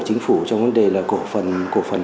chính phủ trong vấn đề là cổ phần